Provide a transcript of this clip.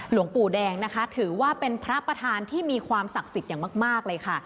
หลวงปู่แดงนะคะถือว่าเป็นพระประธานที่มีความศักดิ์สิทธิ์อย่างมากเลยค่ะ